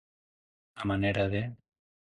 A manera de.